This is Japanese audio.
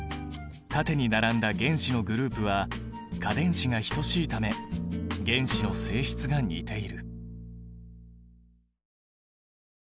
縦に並んだ原子のグループは価電子が等しいため原子の性質が似ている。